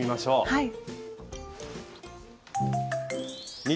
はい。